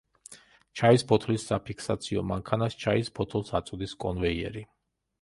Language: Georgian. ჩაის ფოთლის საფიქსაციო მანქანას ჩაის ფოთოლს აწვდის კონვეიერი.